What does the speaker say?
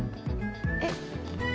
えっ。